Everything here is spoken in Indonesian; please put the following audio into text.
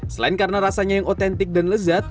selain karena rasanya yang otentik dan lezat